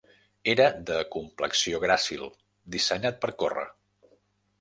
Era de complexió gràcil, dissenyat per córrer.